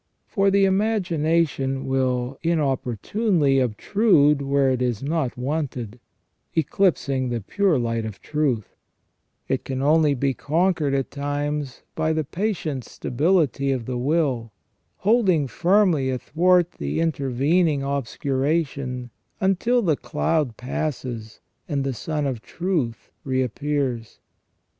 For the imagination will inopportunely obtrude where it is not wanted, eclipsing the pure light of truth ; it can only be conquered, at times, by the patient stability of the will, holding firmly athwart the intervening obscuration until the cloud passes and the sun of truth reappears.